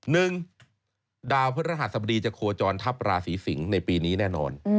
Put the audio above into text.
ประธานหรรภาษธิ์สมดีจะโครจรทัพราศรีสิงศ์ในปีนี้แน่นอน